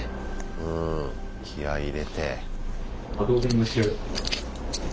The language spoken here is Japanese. うん気合い入れて。